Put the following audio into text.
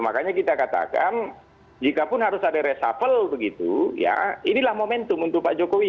makanya kita katakan jikapun harus ada reshuffle begitu ya inilah momentum untuk pak jokowi